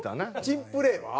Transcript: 珍プレーは？